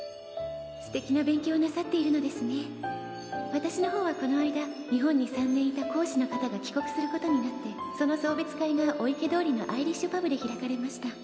「わたしの方はこの間日本に３年いた講師の方が帰国することになってその送別会が御池通のアイリッシュパブで開かれました」